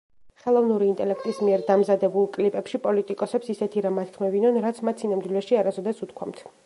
ხელოვნური ინტელექტის მიერ დამზადებულ კლიპებში, პოლიტიკოსებს ისეთი რამ ათქმევინონ, რაც მათ სინამდვილეში არასდროს უთქვამთ.